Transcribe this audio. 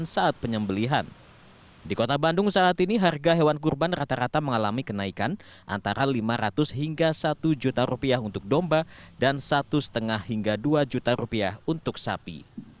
pemotongan hewan kurban harus mengikuti standar disasi protokol kesehatan saat penyembelian di kota bandung saat ini harga hewan kurban rata rata mengalami kenaikan antara lima ratus hingga satu juta rupiah untuk domba dan satu setengah hingga dua juta rupiah untuk sapi